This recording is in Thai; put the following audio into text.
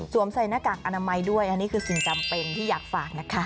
ใส่หน้ากากอนามัยด้วยอันนี้คือสิ่งจำเป็นที่อยากฝากนะคะ